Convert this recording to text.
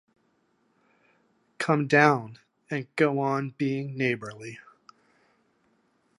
Come down, and go on being neighborly.